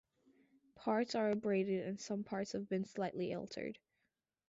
Parts are abraded and some parts have been slightly altered.